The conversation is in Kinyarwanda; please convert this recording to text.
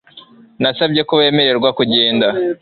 Nasabye ko bemererwa kugenda